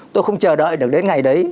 tôi không chờ đợi được đến ngày đấy